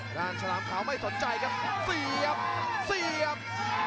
ฉลามขาวไม่สนใจครับเสียบเสียบ